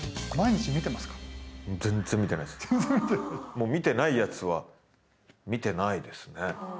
もうみてないやつはみてないですね。